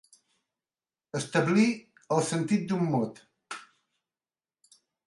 Establí el sentit d'un mot.